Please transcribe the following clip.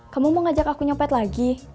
kamu mau ngajak aku nyopet lagi